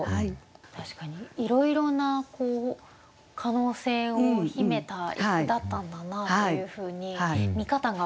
確かにいろいろな可能性を秘めた一句だったんだなというふうに見方が変わりました。